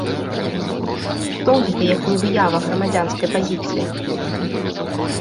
Што гэта, як не выява грамадзянскай пазіцыі?